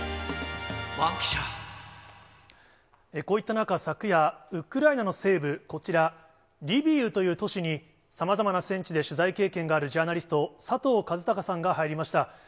こういった中、昨夜、ウクライナの西部、こちら、リビウという都市に、さまざまな戦地で取材経験があるジャーナリスト、佐藤和孝さんが入りました。